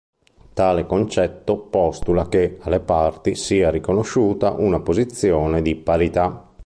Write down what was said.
Tale concetto postula che alle parti sia riconosciuta una posizione di parità.